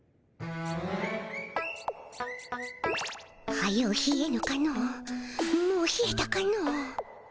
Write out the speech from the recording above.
はようひえぬかのもうひえたかの。